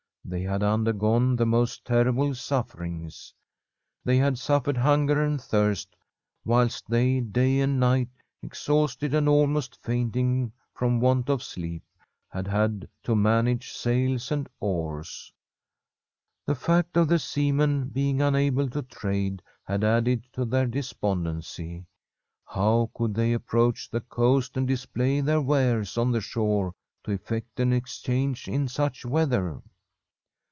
They had undergone the most terrible sufferings. They had suffered hunger and thirst, whilst they, day and night, exhausted and almost fainting from want of sleep, had had to manage sails and oars. The fact of the seamen being unable to trade had added to their despondency. How could they approach the coast and display their wares on the shore to effect an exchange in such weather